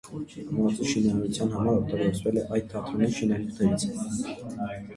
Ամրոցի շինարարության համար օգտագործվել է այդ թատրոնի շինանյութերից։